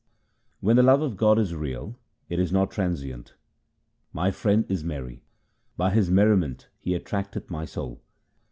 When the love of God is real, it is not transient :— My Friend is merry ; by His merriment He attracteth my soul.